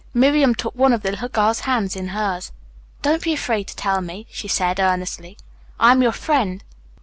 Miriam took one of the little girl's hands in hers. "Do not be afraid to tell me," she said earnestly. "I am your friend."